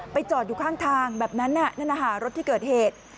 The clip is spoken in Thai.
ไปจอดอยู่ข้างทางแบบนั้นนะรถที่เกิดเหตุ